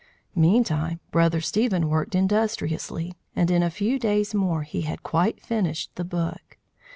Meantime Brother Stephen worked industriously, and in a few days more he had quite finished the book.